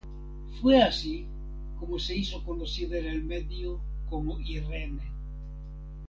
Fue así como se hizo conocida en el medio como Irene.